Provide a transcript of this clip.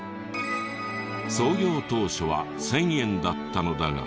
創業当初は１０００円だったのだが。